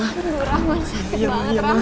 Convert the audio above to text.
aduh rahman sakit banget rahman